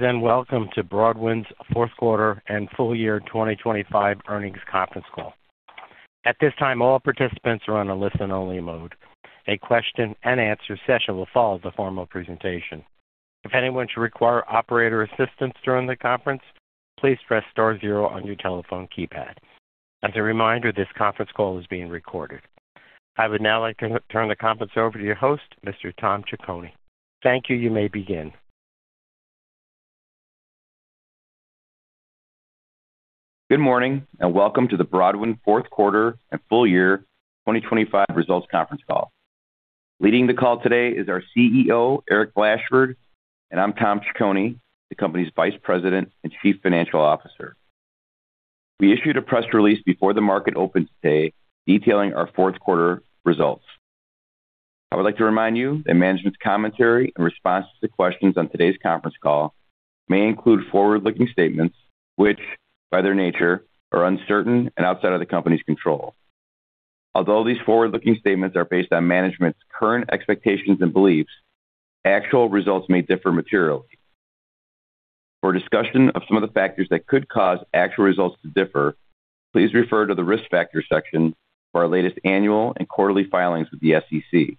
Welcome to Broadwind's fourth quarter and full year 2025 earnings conference call. At this time, all participants are on a listen-only mode. A question-and-answer session will follow the formal presentation. If anyone should require operator assistance during the conference, please press star zero on your telephone keypad. As a reminder, this conference call is being recorded. I would now like to turn the conference over to your host, Mr. Tom Ciccone. Thank you. You may begin. Good morning and welcome to the Broadwind fourth quarter and full year 2025 results conference call. Leading the call today is our CEO, Eric Blashford, and I'm Tom Ciccone, the company's Vice President and Chief Financial Officer. We issued a press release before the market opened today detailing our fourth quarter results. I would like to remind you that management's commentary and responses to questions on today's conference call may include forward-looking statements, which, by their nature, are uncertain and outside of the company's control. Although these forward-looking statements are based on management's current expectations and beliefs, actual results may differ materially. For a discussion of some of the factors that could cause actual results to differ, please refer to the Risk Factors section of our latest annual and quarterly filings with the SEC.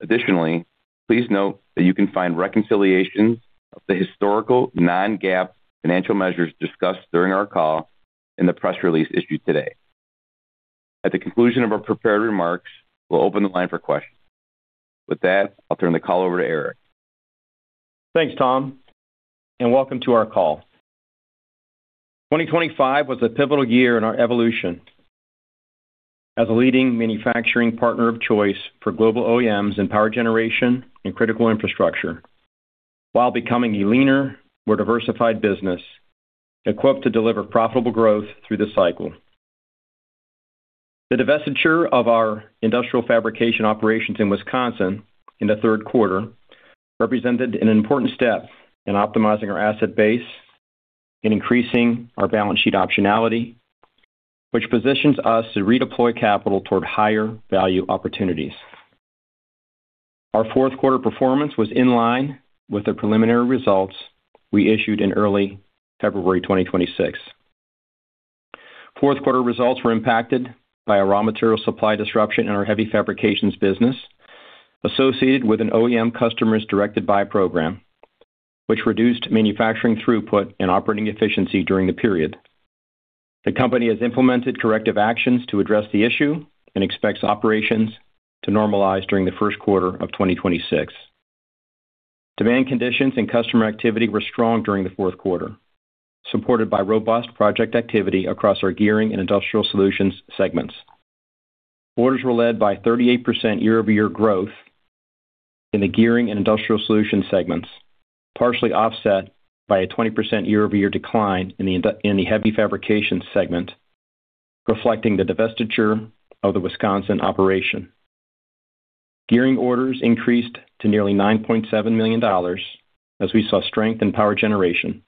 Additionally, please note that you can find reconciliations of the historical non-GAAP financial measures discussed during our call in the press release issued today. At the conclusion of our prepared remarks, we'll open the line for questions. With that, I'll turn the call over to Eric. Thanks, Tom, and welcome to our call. 2025 was a pivotal year in our evolution as a leading manufacturing partner of choice for global OEMs in power generation and critical infrastructure while becoming a leaner, more diversified business equipped to deliver profitable growth through this cycle. The divestiture of our industrial fabrication operations in Wisconsin in the third quarter represented an important step in optimizing our asset base and increasing our balance sheet optionality, which positions us to redeploy capital toward higher value opportunities. Our fourth quarter performance was in line with the preliminary results we issued in early February 2026. Fourth quarter results were impacted by a raw material supply disruption in our Heavy Fabrications business associated with an OEM customer's directed buy program, which reduced manufacturing throughput and operating efficiency during the period. The company has implemented corrective actions to address the issue and expects operations to normalize during the first quarter of 2026. Demand conditions and customer activity were strong during the fourth quarter, supported by robust project activity across our Gearing and Industrial Solutions segments. Orders were led by 38% year-over-year growth in the Gearing and Industrial Solutions segments, partially offset by a 20% year-over-year decline in the Heavy Fabrications segment, reflecting the divestiture of the Wisconsin operation. Gearing orders increased to nearly $9.7 million as we saw strength in power generation,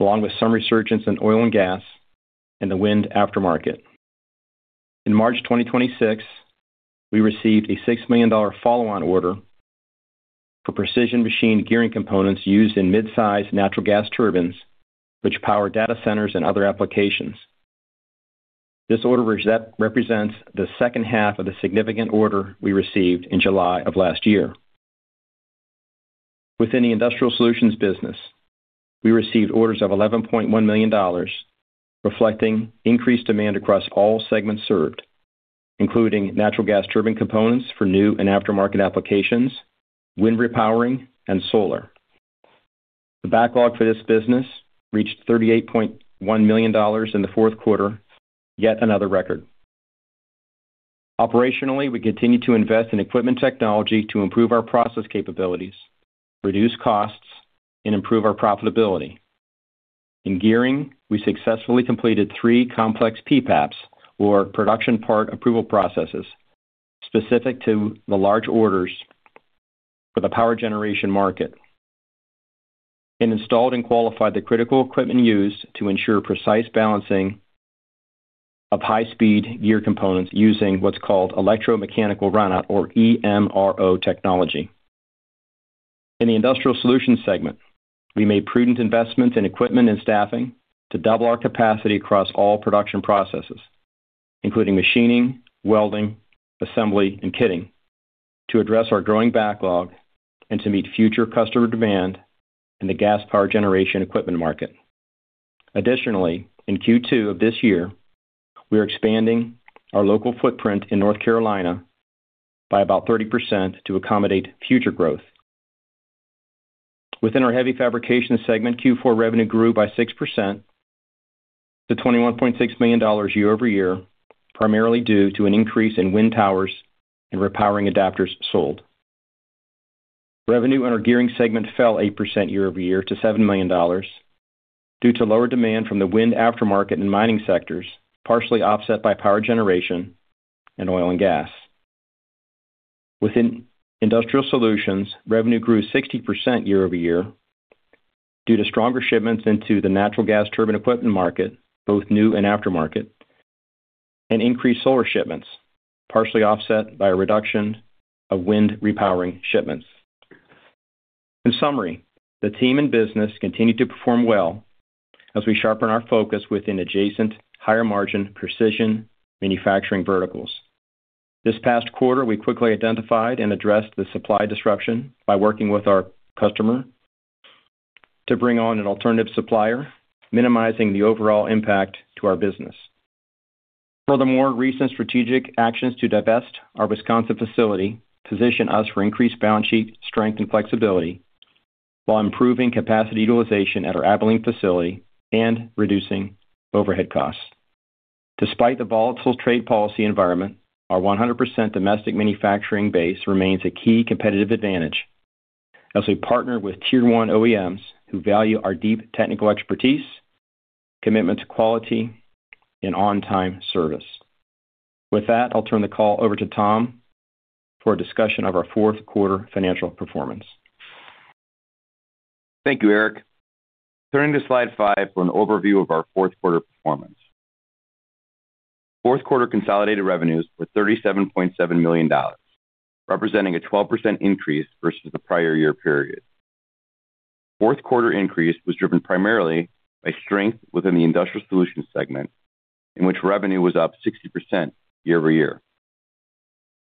along with some resurgence in oil and gas and the wind aftermarket. In March 2026, we received a $6 million follow-on order for precision machine gearing components used in mid-size natural gas turbines, which power data centers and other applications. This order represents the second half of the significant order we received in July of last year. Within the Industrial Solutions business, we received orders of $11.1 million, reflecting increased demand across all segments served, including natural gas turbine components for new and aftermarket applications, wind repowering, and solar. The backlog for this business reached $38.1 million in the fourth quarter, yet another record. Operationally, we continue to invest in equipment technology to improve our process capabilities, reduce costs, and improve our profitability. In Gearing, we successfully completed three complex PPAP or production part approval processes specific to the large orders for the power generation market, and installed and qualified the critical equipment used to ensure precise balancing of high-speed gear components using what's called electromechanical runout or EMRO technology. In the Industrial Solutions segment, we made prudent investments in equipment and staffing to double our capacity across all production processes, including machining, welding, assembly, and kitting, to address our growing backlog and to meet future customer demand in the gas power generation equipment market. Additionally, in Q2 of this year, we are expanding our local footprint in North Carolina by about 30% to accommodate future growth. Within our Heavy Fabrications segment, Q4 revenue grew by 6% to $21.6 million year-over-year, primarily due to an increase in wind towers and repowering adapters sold. Revenue in our Gearing segment fell 8% year-over-year to $7 million due to lower demand from the wind aftermarket and mining sectors, partially offset by power generation and oil and gas. Within Industrial Solutions, revenue grew 60% year-over-year due to stronger shipments into the natural gas turbine equipment market, both new and aftermarket. Increased solar shipments, partially offset by a reduction of wind repowering shipments. In summary, the team and business continued to perform well as we sharpen our focus within adjacent higher margin precision manufacturing verticals. This past quarter, we quickly identified and addressed the supply disruption by working with our customer to bring on an alternative supplier, minimizing the overall impact to our business. Furthermore, recent strategic actions to divest our Wisconsin facility position us for increased balance sheet strength and flexibility while improving capacity utilization at our Abilene facility and reducing overhead costs. Despite the volatile trade policy environment, our 100% domestic manufacturing base remains a key competitive advantage as we partner with tier-one OEMs who value our deep technical expertise, commitment to quality, and on-time service. With that, I'll turn the call over to Tom for a discussion of our fourth quarter financial performance. Thank you, Eric. Turning to slide 5 for an overview of our fourth quarter performance. Fourth quarter consolidated revenues were $37.7 million, representing a 12% increase versus the prior year period. Fourth quarter increase was driven primarily by strength within the Industrial Solutions segment, in which revenue was up 60% year-over-year.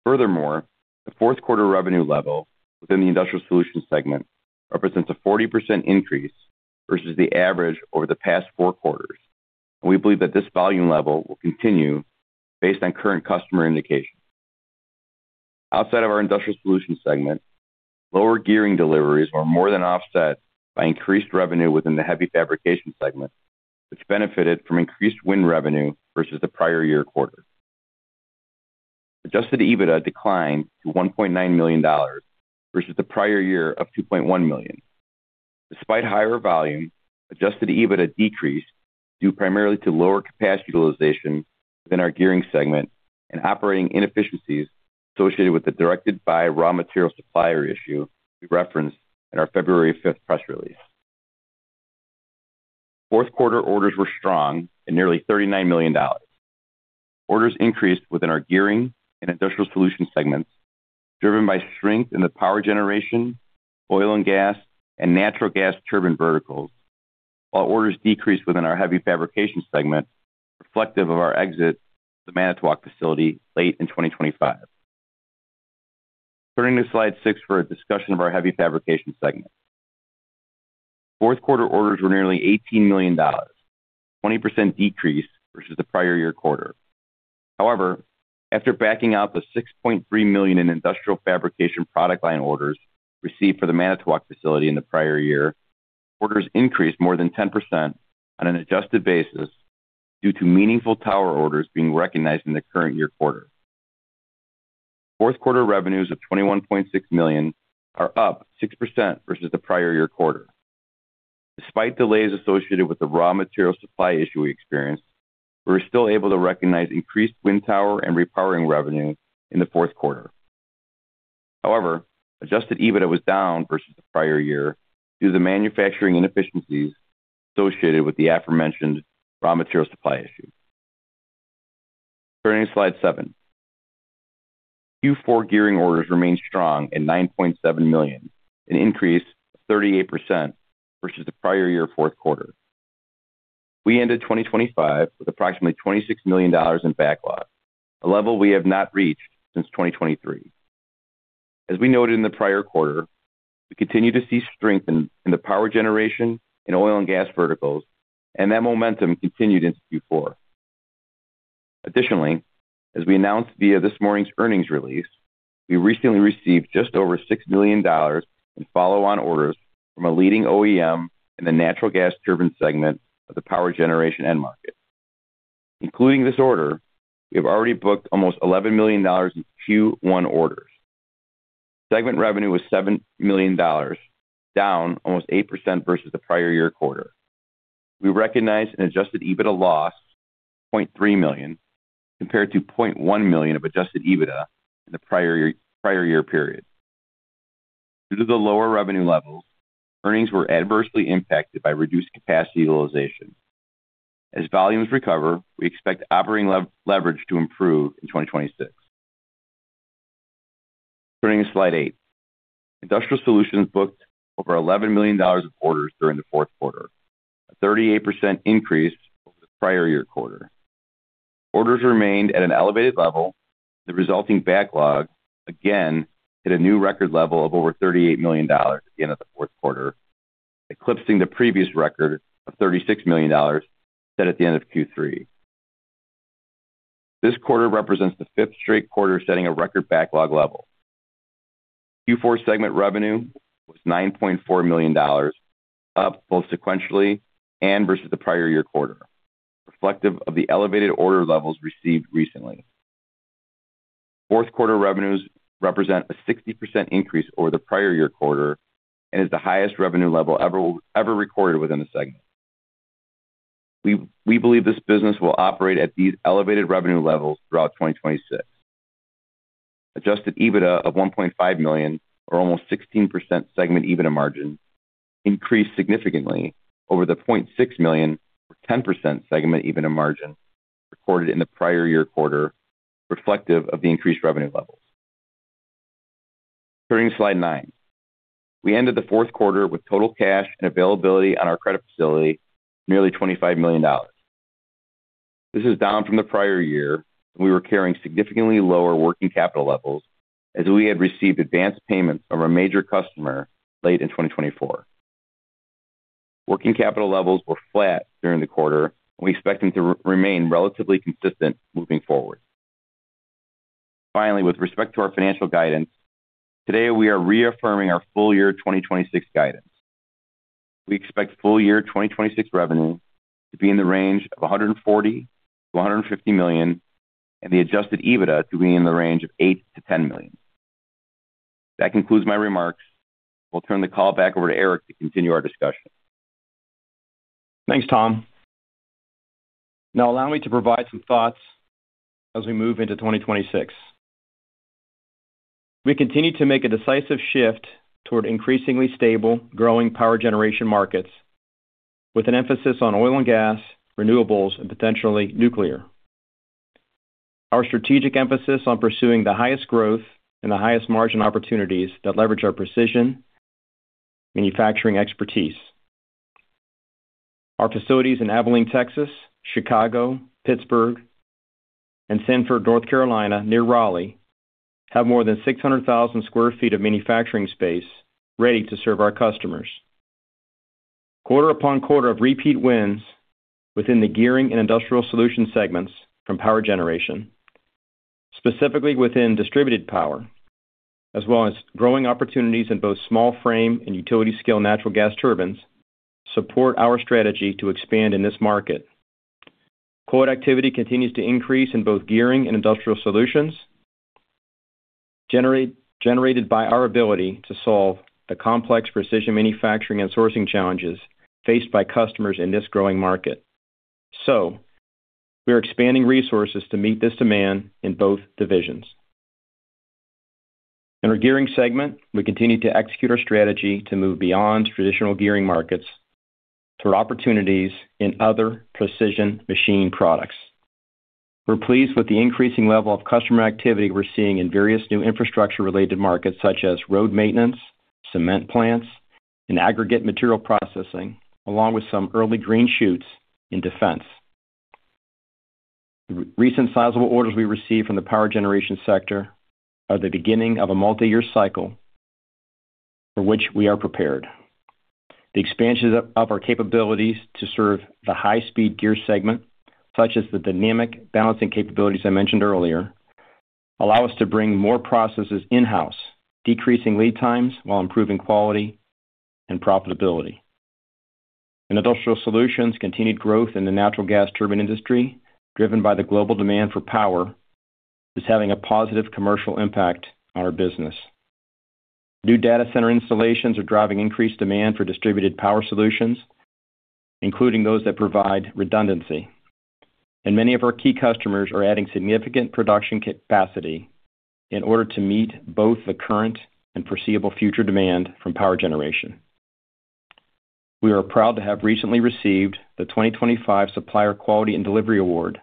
Furthermore, the fourth quarter revenue level within the Industrial Solutions segment represents a 40% increase versus the average over the past four quarters. We believe that this volume level will continue based on current customer indications. Outside of our Industrial Solutions segment, lower Gearing deliveries were more than offset by increased revenue within the Heavy Fabrications segment, which benefited from increased wind revenue versus the prior-year quarter. Adjusted EBITDA declined to $1.9 million versus the prior year of $2.1 million. Despite higher volume, adjusted EBITDA decreased due primarily to lower capacity utilization within our Gearing segment and operating inefficiencies associated with the directed buy raw material supplier issue we referenced in our February fifth press release. Fourth quarter orders were strong at nearly $39 million. Orders increased within our Gearing and Industrial Solutions segments, driven by strength in the power generation, oil and gas, and natural gas turbine verticals, while orders decreased within our Heavy Fabrications segment, reflective of our exit the Manitowoc facility late in 2025. Turning to slide 6 for a discussion of our Heavy Fabrications segment. Fourth quarter orders were nearly $18 million, 20% decrease versus the prior year quarter. However, after backing out the $6.3 million in industrial fabrication product line orders received for the Manitowoc facility in the prior year, orders increased more than 10% on an adjusted basis due to meaningful tower orders being recognized in the current year quarter. Fourth quarter revenues of $21.6 million are up 6% versus the prior year quarter. Despite delays associated with the raw material supply issue we experienced, we were still able to recognize increased wind tower and repowering revenue in the fourth quarter. However, adjusted EBITDA was down versus the prior year due to manufacturing inefficiencies associated with the aforementioned raw material supply issue. Turning to slide seven. Q4 gearing orders remained strong at $9.7 million, an increase of 38% versus the prior year fourth quarter. We ended 2025 with approximately $26 million in backlog, a level we have not reached since 2023. As we noted in the prior quarter, we continue to see strength in the power generation and oil and gas verticals, and that momentum continued into Q4. Additionally, as we announced via this morning's earnings release, we recently received just over $6 million in follow-on orders from a leading OEM in the natural gas turbine segment of the power generation end market. Including this order, we have already booked almost $11 million in Q1 orders. Segment revenue was $7 million, down almost 8% versus the prior year quarter. We recognized an adjusted EBITDA loss of $0.3 million compared to $0.1 million of adjusted EBITDA in the prior year period. Due to the lower revenue levels, earnings were adversely impacted by reduced capacity utilization. As volumes recover, we expect operating leverage to improve in 2026. Turning to slide 8. Industrial Solutions booked over $11 million of orders during the fourth quarter, a 38% increase over the prior year quarter. Orders remained at an elevated level, the resulting backlog again hit a new record level of over $38 million at the end of the fourth quarter, eclipsing the previous record of $36 million set at the end of Q3. This quarter represents the fifth straight quarter setting a record backlog level. Q4 segment revenue was $9.4 million, up both sequentially and versus the prior year quarter, reflective of the elevated order levels received recently. Fourth quarter revenues represent a 60% increase over the prior year quarter and is the highest revenue level ever recorded within the segment. We believe this business will operate at these elevated revenue levels throughout 2026. Adjusted EBITDA of $1.5 million, or almost 16% segment EBITDA margin, increased significantly over the $0.6 million, or 10% segment EBITDA margin recorded in the prior year quarter reflective of the increased revenue levels. Turning to slide nine. We ended the fourth quarter with total cash and availability on our credit facility nearly $25 million. This is down from the prior year. We were carrying significantly lower working capital levels as we had received advanced payments from a major customer late in 2024. Working capital levels were flat during the quarter, and we expect them to remain relatively consistent moving forward. Finally, with respect to our financial guidance, today we are reaffirming our full year 2026 guidance. We expect full year 2026 revenue to be in the range of $140 million-$150 million and the adjusted EBITDA to be in the range of $8 million to $10 million. That concludes my remarks. We'll turn the call back over to Eric to continue our discussion. Thanks, Tom. Now allow me to provide some thoughts as we move into 2026. We continue to make a decisive shift toward increasingly stable, growing power generation markets with an emphasis on oil and gas, renewables, and potentially nuclear. Our strategic emphasis on pursuing the highest growth and the highest margin opportunities that leverage our precision manufacturing expertise. Our facilities in Abilene, Texas, Chicago, Pittsburgh, and Sanford, North Carolina, near Raleigh, have more than 600,000 sq ft of manufacturing space ready to serve our customers. Quarter upon quarter of repeat wins within the Gearing and Industrial Solutions segments from power generation, specifically within distributed power, as well as growing opportunities in both small frame and utility scale natural gas turbines support our strategy to expand in this market. Quote activity continues to increase in both Gearing and Industrial Solutions generated by our ability to solve the complex precision manufacturing and sourcing challenges faced by customers in this growing market. We are expanding resources to meet this demand in both divisions. In our Gearing segment, we continue to execute our strategy to move beyond traditional gearing markets through opportunities in other precision machine products. We're pleased with the increasing level of customer activity we're seeing in various new infrastructure-related markets such as road maintenance, cement plants, and aggregate material processing, along with some early green shoots in defense. Recent sizable orders we received from the power generation sector are the beginning of a multi-year cycle for which we are prepared. The expansion of our capabilities to serve the high-speed gear segment, such as the dynamic balancing capabilities I mentioned earlier, allow us to bring more processes in-house, decreasing lead times while improving quality and profitability. Industrial Solutions' continued growth in the natural gas turbine industry, driven by the global demand for power, is having a positive commercial impact on our business. New data center installations are driving increased demand for distributed power solutions, including those that provide redundancy. Many of our key customers are adding significant production capacity in order to meet both the current and foreseeable future demand from power generation. We are proud to have recently received the 2025 Supplier Quality and Delivery Award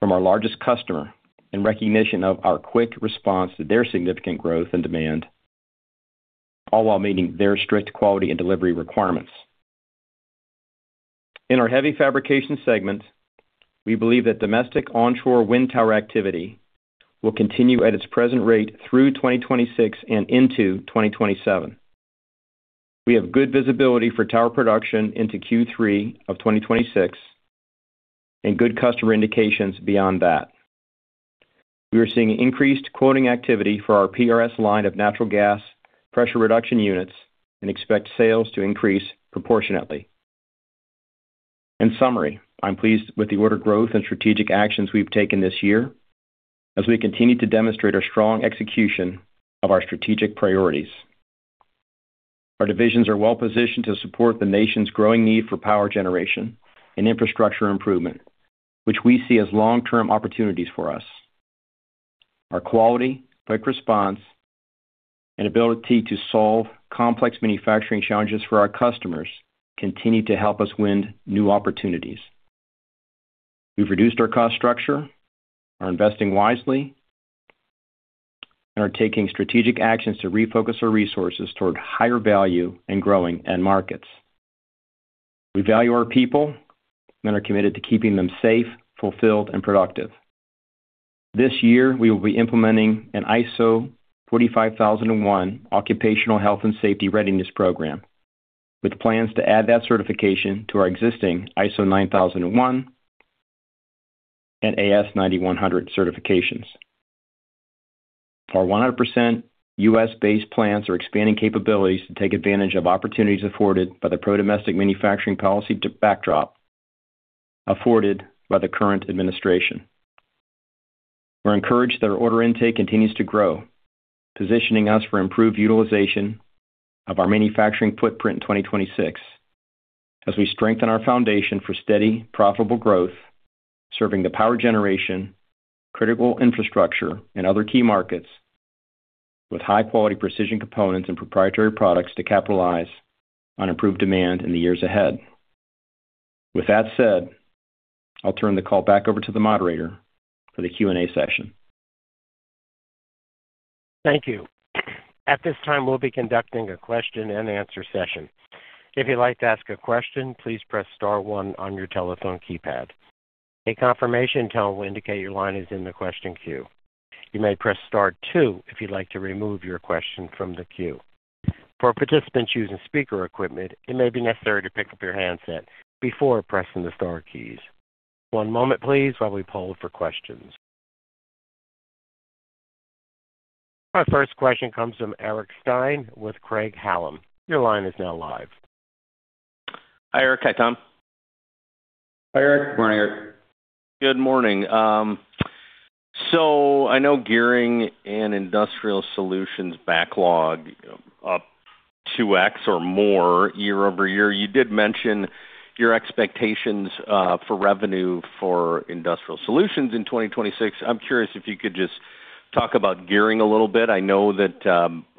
from our largest customer in recognition of our quick response to their significant growth and demand, all while meeting their strict quality and delivery requirements. In our Heavy Fabrications segment, we believe that domestic onshore wind tower activity will continue at its present rate through 2026 and into 2027. We have good visibility for tower production into Q3 of 2026 and good customer indications beyond that. We are seeing increased quoting activity for our PRS line of natural gas pressure reduction units and expect sales to increase proportionately. In summary, I'm pleased with the order growth and strategic actions we've taken this year as we continue to demonstrate our strong execution of our strategic priorities. Our divisions are well-positioned to support the nation's growing need for power generation and infrastructure improvement, which we see as long-term opportunities for us. Our quality, quick response, and ability to solve complex manufacturing challenges for our customers continue to help us win new opportunities. We've reduced our cost structure, are investing wisely, and are taking strategic actions to refocus our resources toward higher value and growing end markets. We value our people and are committed to keeping them safe, fulfilled, and productive. This year, we will be implementing an ISO 45001 Occupational Health and Safety Readiness Program, with plans to add that certification to our existing ISO 9001 and AS9100 certifications. Our 100% US-based plants are expanding capabilities to take advantage of opportunities afforded by the pro-domestic manufacturing policy, the backdrop afforded by the current administration. We're encouraged that our order intake continues to grow, positioning us for improved utilization of our manufacturing footprint in 2026. As we strengthen our foundation for steady, profitable growth, serving the power generation, critical infrastructure, and other key markets with high-quality precision components and proprietary products to capitalize on improved demand in the years ahead. With that said, I'll turn the call back over to the moderator for the Q&A session. Thank you. At this time, we'll be conducting a question-and-answer session. If you'd like to ask a question, please press star one on your telephone keypad. A confirmation tone will indicate your line is in the question queue. You may press star two if you'd like to remove your question from the queue. For participants using speaker equipment, it may be necessary to pick up your handset before pressing the star keys. One moment please, while we poll for questions. Our first question comes from Eric Stine with Craig-Hallum. Your line is now live. Hi, Eric. Hi, Tom. Hi, Eric. Morning, Eric. Good morning. I know Gearing and Industrial Solutions backlog up 2x or more year-over-year. You did mention your expectations for revenue for Industrial Solutions in 2026. I'm curious if you could just talk about Gearing a little bit. I know that,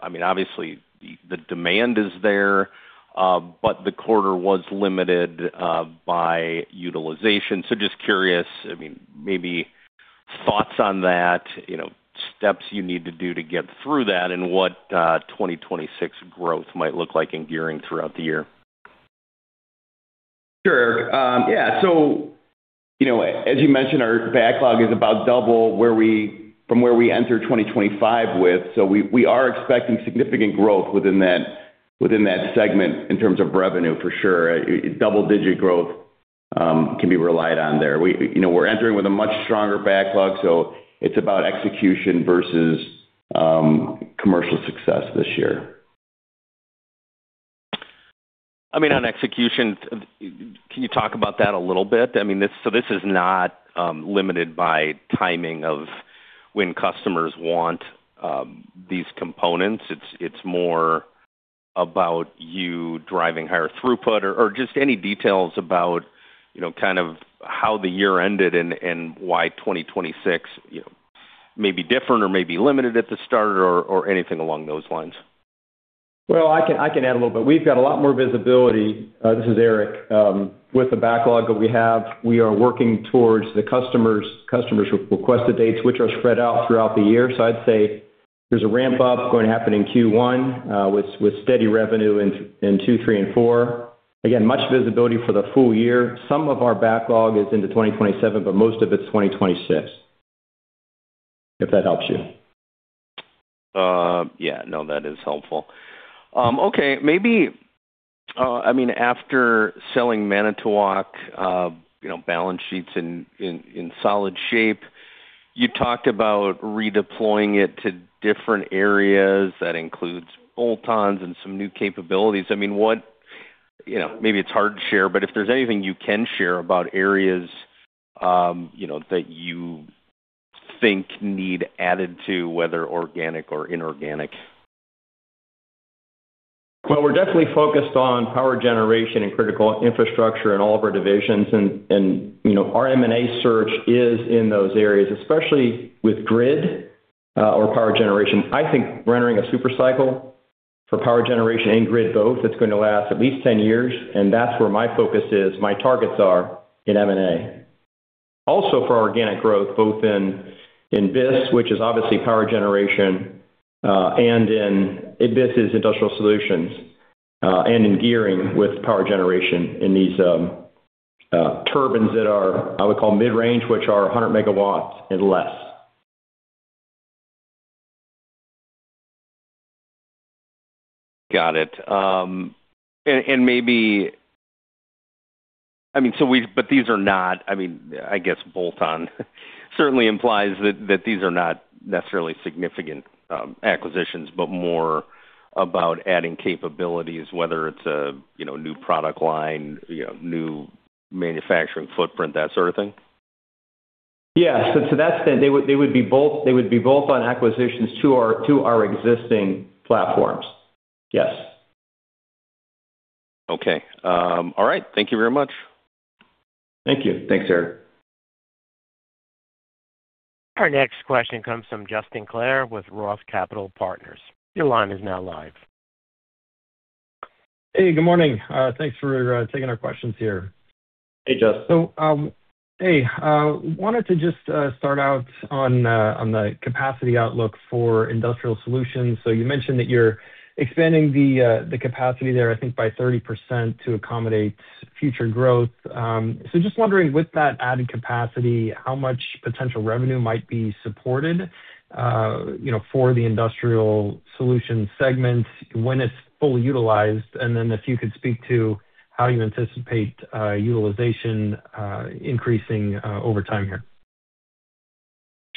I mean, obviously the demand is there, but the quarter was limited by utilization. Just curious, I mean, maybe thoughts on that, you know, steps you need to do to get through that and what 2026 growth might look like in Gearing throughout the year. Sure, Eric. Yeah, you know, as you mentioned, our backlog is about double from where we entered 2025 with. We are expecting significant growth within that segment in terms of revenue, for sure. Double-digit growth can be relied on there. You know, we're entering with a much stronger backlog, so it's about execution versus commercial success this year. I mean, on execution, can you talk about that a little bit? I mean, this is not limited by timing of when customers want these components. It's more about you driving higher throughput or just any details about, you know, kind of how the year ended and why 2026, you know, may be different or may be limited at the start or anything along those lines. I can add a little bit. We've got a lot more visibility, this is Eric, with the backlog that we have. We are working towards the customer's requested dates, which are spread out throughout the year. I'd say there's a ramp up going to happen in Q1, with steady revenue in two, three, and four. Again, much visibility for the full year. Some of our backlog is into 2027, but most of it's 2026, if that helps you. Yeah, no, that is helpful. Okay, maybe, I mean, after selling Manitowoc, you know, balance sheets in solid shape, you talked about redeploying it to different areas. That includes bolt-ons and some new capabilities. I mean, what, you know, maybe it's hard to share, but if there's anything you can share about areas, you know, that you think need added to whether organic or inorganic. Well, we're definitely focused on power generation and critical infrastructure in all of our divisions. You know, our M&A search is in those areas, especially with grid or power generation. I think we're entering a super cycle for power generation and grid both. It's going to last at least 10 years, and that's where my focus is, my targets are in M&A. Also for organic growth, both in BIS, which is obviously power generation, and BIS is Industrial Solutions, and in Gearing with power generation in these turbines that are, I would call mid-range, which are 100 megawatts and less. Got it. These are not, I mean, I guess bolt-on certainly implies that these are not necessarily significant acquisitions, but more about adding capabilities, whether it's a you know, new product line, you know, new manufacturing footprint, that sort of thing. Yeah. To that extent, they would be bolt-on acquisitions to our existing platforms. Yes. Okay. All right. Thank you very much. Thank you. Thanks, Eric. Our next question comes from Justin Clare with Roth MKM. Your line is now live. Hey, good morning. Thanks for taking our questions here. Hey, Justin. Wanted to just start out on the capacity outlook for Industrial Solutions. You mentioned that you're expanding the capacity there, I think, by 30% to accommodate future growth. Just wondering with that added capacity, how much potential revenue might be supported, you know, for the Industrial Solutions segment when it's fully utilized, and then if you could speak to how you anticipate utilization increasing over time here.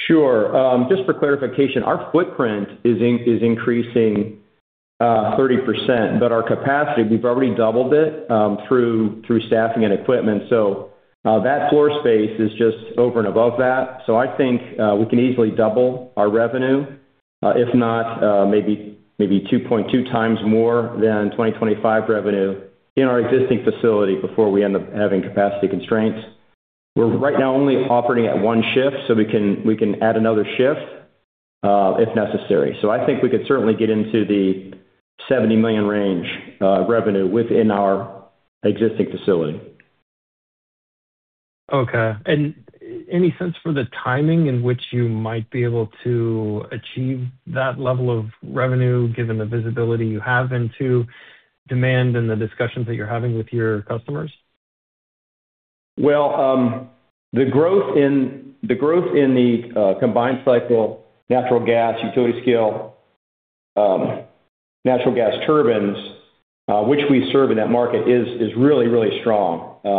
Sure. Just for clarification, our footprint is increasing 30%, but our capacity, we've already doubled it, through staffing and equipment. That floor space is just over and above that. I think we can easily double our revenue. If not, maybe 2.2 times more than 2025 revenue in our existing facility before we end up having capacity constraints. We're right now only operating at one shift, so we can add another shift if necessary. I think we could certainly get into the $70 million range revenue within our existing facility. Okay. Any sense for the timing in which you might be able to achieve that level of revenue, given the visibility you have into demand and the discussions that you're having with your customers? Well, the growth in the combined cycle natural gas utility scale natural gas turbines, which we serve in that market, is really strong. One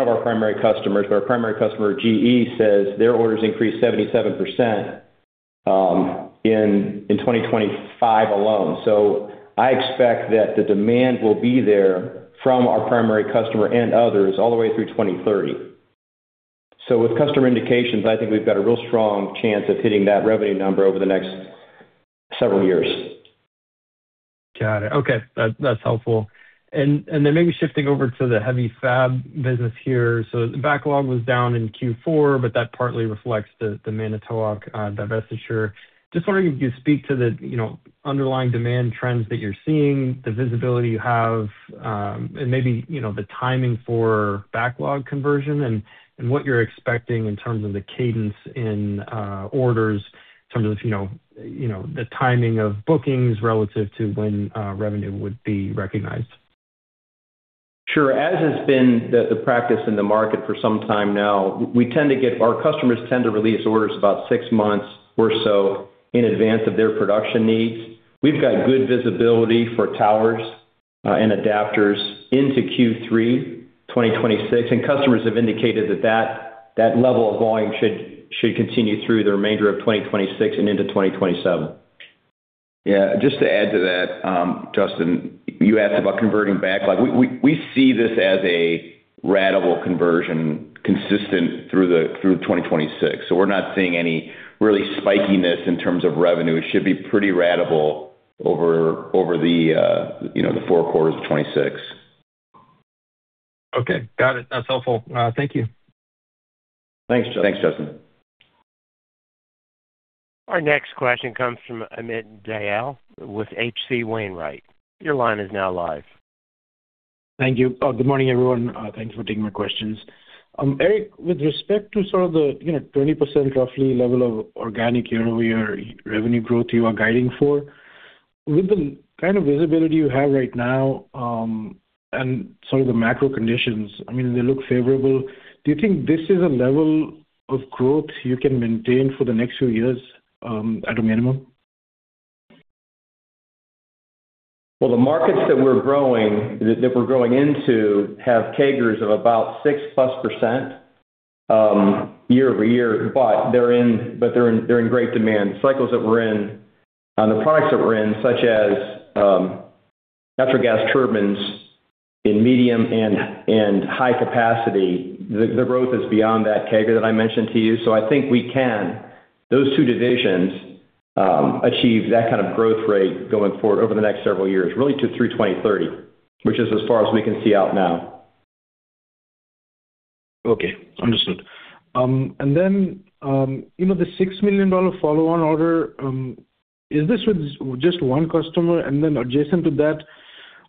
of our primary customers, but our primary customer, GE, says their orders increased 77% in 2025 alone. I expect that the demand will be there from our primary customer and others all the way through 2030. With customer indications, I think we've got a real strong chance of hitting that revenue number over the next several years. Got it. Okay. That's helpful. Then maybe shifting over to the Heavy Fabrications business here. So the backlog was down in Q4, but that partly reflects the Manitowoc divestiture. Just wondering if you could speak to the, you know, underlying demand trends that you're seeing, the visibility you have, and maybe, you know, the timing for backlog conversion and what you're expecting in terms of the cadence in orders in terms of, you know, the timing of bookings relative to when revenue would be recognized. Sure. As has been the practice in the market for some time now, our customers tend to release orders about six months or so in advance of their production needs. We've got good visibility for towers and adapters into Q3 2026. Customers have indicated that that level of volume should continue through the remainder of 2026 and into 2027. Yeah, just to add to that, Justin Clare, you asked about converting backlog. We see this as a ratable conversion consistent through 2026. So we're not seeing any really spikiness in terms of revenue. It should be pretty ratable over the, you know, the four quarters of 2026. Okay. Got it. That's helpful. Thank you. Thanks, Justin. Thanks, Justin. Our next question comes from Amit Dayal with H.C. Wainwright. Your line is now live. Thank you. Good morning, everyone. Thanks for taking my questions. Eric, with respect to sort of the, you know, 20% roughly level of organic year-over-year revenue growth you are guiding for, with the kind of visibility you have right now, and sort of the macro conditions, I mean, they look favorable. Do you think this is a level of growth you can maintain for the next few years, at a minimum? Well, the markets that we're growing into have CAGRs of about 6%+, year-over-year, but they're in great demand. Cycles that we're in, the products that we're in, such as natural gas turbines in medium and high capacity, the growth is beyond that CAGR that I mentioned to you. I think we can, those two divisions, achieve that kind of growth rate going forward over the next several years, really through 2030, which is as far as we can see out now. Okay. Understood. You know, the $6 million follow-on order. Is this with just one customer? Adjacent to that,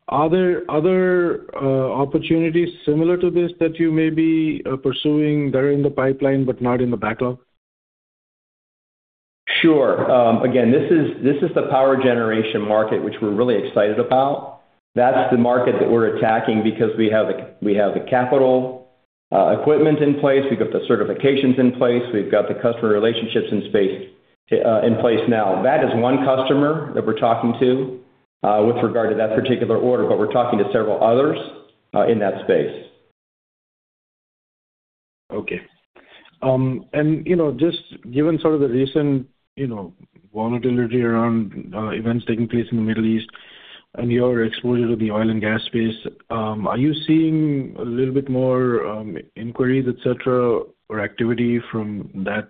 are there other opportunities similar to this that you may be pursuing that are in the pipeline but not in the backlog? Sure. Again, this is the power generation market, which we're really excited about. That's the market that we're attacking because we have the capital equipment in place. We've got the certifications in place. We've got the customer relationships in place now. That is one customer that we're talking to with regard to that particular order, but we're talking to several others in that space. Okay. You know, just given sort of the recent, you know, volatility around events taking place in the Middle East and your exposure to the oil and gas space, are you seeing a little bit more inquiries, et cetera, or activity from that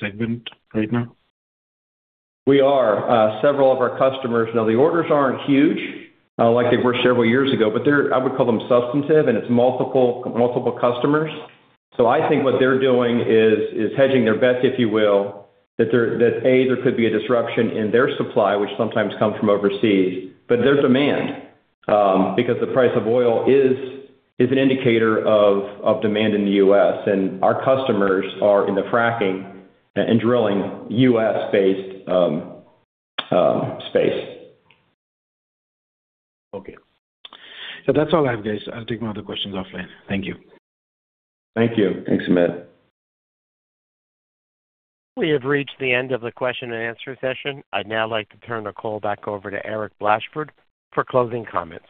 segment right now? We are several of our customers. Now, the orders aren't huge like they were several years ago, but they're, I would call them substantive, and it's multiple customers. I think what they're doing is hedging their bets, if you will, that there could be a disruption in their supply, which sometimes comes from overseas, but their demand because the price of oil is an indicator of demand in the U.S. Our customers are in the fracking and drilling U.S.-based space. Okay. That's all I have, guys. I'll take my other questions offline. Thank you. Thank you. Thanks, Amit. We have reached the end of the question and answer session. I'd now like to turn the call back over to Eric Blashford for closing comments.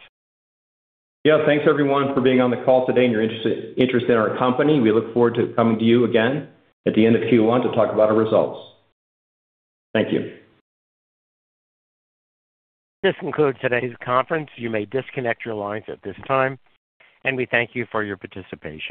Yeah. Thanks everyone for being on the call today and your interest in our company. We look forward to coming to you again at the end of Q1 to talk about our results. Thank you. This concludes today's conference. You may disconnect your lines at this time, and we thank you for your participation.